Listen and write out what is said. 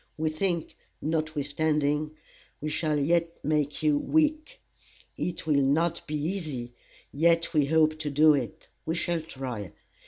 We think, notwithstanding, we shall yet make you weak. It will not be easy, yet we hope to do it. We shall try.